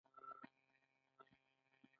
جسمي کار غلامانو او بزګرانو ته وسپارل شو.